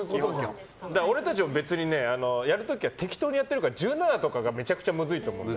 俺たちも別にやる時は適当にやってるから１７とかがめちゃくちゃ難しいと思う。